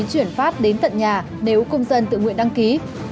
chuyển phát đến tận nhà nếu công dân tự nguyện đăng ký